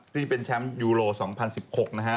ซึ่งเป็นแชมป์ยูโร๒๐๑๖นะฮะ